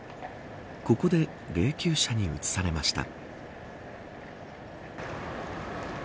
ここで霊柩車に移されました。